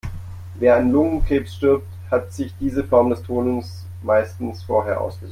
Wer an Lungenkrebs stirbt, hat sich diese Form des Todes meistens vorher ausgesucht.